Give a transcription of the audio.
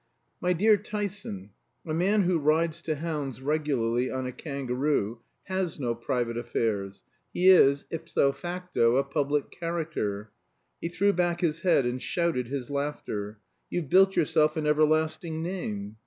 "My dear Tyson, a man who rides to hounds regularly on a kangaroo has no private affairs, he is, ipso facto, a public character." He threw back his head and shouted his laughter. "You've built yourself an everlasting name."